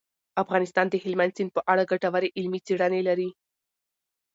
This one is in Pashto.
افغانستان د هلمند سیند په اړه ګټورې علمي څېړنې لري.